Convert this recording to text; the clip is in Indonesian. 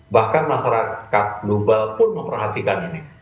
bahkan masyarakat global pun memperhatikan ini